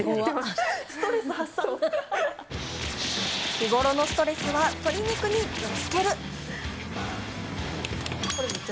日頃のストレスは鶏肉にぶつける。